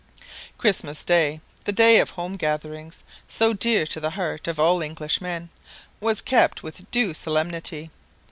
Christmas Day, the day of home gatherings so dear to the heart of all Englishmen, was kept with due solemnity.